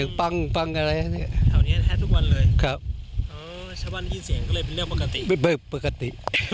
ปังปังอะไรแถวนี้แทบทุกวันเลยครับชาวบ้านยินเสียงก็เลยเป็นเรื่องปกติ